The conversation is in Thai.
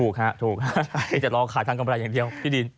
ถูกครับถูกครับแต่ลองขายทางกำไรอย่างเดียวที่ดิน